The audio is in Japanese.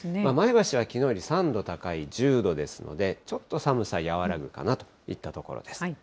前橋はきのうより３度高い１０度ですので、ちょっと寒さ、和らぐかなといったところです。